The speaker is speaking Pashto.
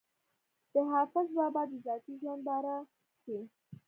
د حافظ بابا د ذاتي ژوند باره کښې